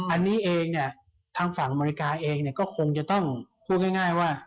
อันนี้เองเนี่ยทางฝั่งอเมริกาเองเนี่ยก็คงจะต้องพูดง่ายว่า